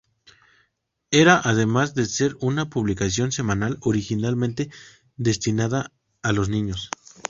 Era además de ser una publicación semanal originalmente destinada a los niños.